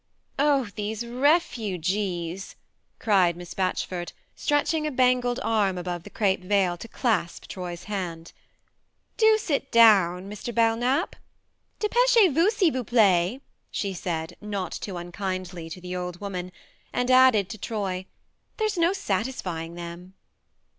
" Oh, these refugees !" cried Miss Batchford, stretching a bangled arm above the crape veil to clasp Troy's hand. " Do sit down, Mr. Belknap. D^pechez vous, s'il vous plait," she said, not too unkindly, to the old woman ; and added, to Troy :" There's no satis fying them."